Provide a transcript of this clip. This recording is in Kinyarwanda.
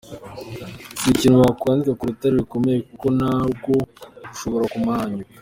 Si n’ikintu wakwandika ku rutare rukomeye kuko narwo rushobora kumanyuka.